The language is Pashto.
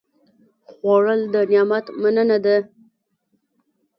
خوړل د نعمت مننه ده